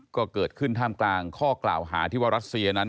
ก็เกิดขึ้นท่ามกลางข้อกล่าวหาที่ว่ารัสเซียนั้น